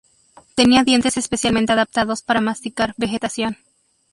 Tenía dientes especialmente adaptados para masticar vegetación.